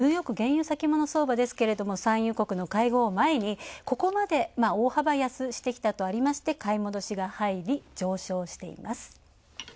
ＷＴＩ＝ニューヨーク原油先物相場ですが、産油国の会合を前にここまで大幅安してきたとあって、買戻しが入り上昇しています。